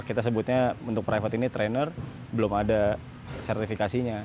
kita sebutnya untuk private ini trainer belum ada sertifikasinya